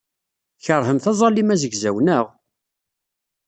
Tkeṛhemt aẓalim azegzaw, naɣ?